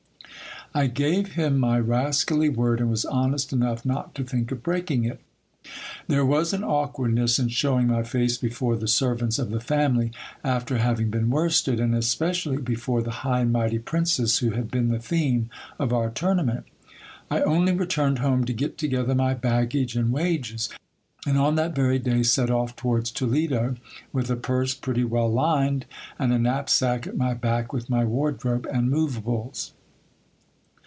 I gave him my rascally word, and was honest enough not to think of breaking it There was an awkwardness in shewing my face before the servants of the family, after hf.ving been worsted ; and especially before the high and mighty princess who had been the theme of our tournament I only returned home to get together my baggage and wages, and on that very day set off towards Toledo, with a purse pretty well lined, and a knapsack at my back with my wardrobe and moveables.